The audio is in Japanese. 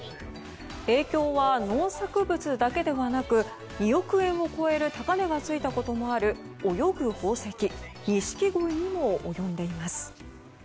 影響は農作物だけではなく２億円を超える高値が付いたこともある泳ぐ宝石、ニシキゴイにも及んでいます。